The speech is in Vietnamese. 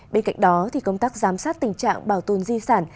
bên cạnh đó công tác giám sát tình trạng bảo tồn di sản